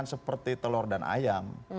seperti telur dan ayam